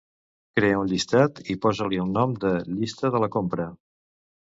Crea un llistat i posa-li el nom de "llista de la compra".